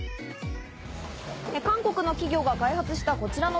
韓国の企業が開発したこちらのマシン。